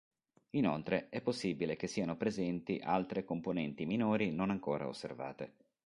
Inoltre è possibile che siano presenti altre componenti minori non ancora osservate.